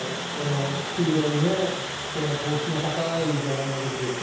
この黄色いねこれも糖質の高いじゃがいもです